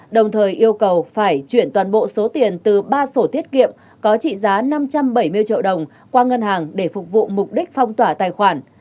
đồng thời yêu cầu phải chuyển toàn bộ số tiền từ ba sổ tiết kiệm có trị giá năm trăm bảy mươi triệu đồng qua ngân hàng để phục vụ mục đích phong tỏa tài khoản